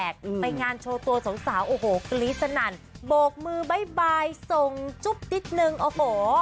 บ๊ายบายส่งจุ๊บนิดนึงโอ้โห